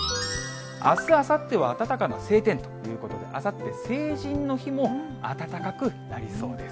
あす、あさっては暖かな晴天ということで、あさって成人の日も、暖かくなりそうです。